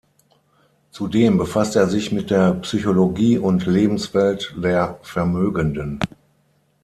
Zudem befasst er sich mit der Psychologie und Lebenswelt der Vermögenden.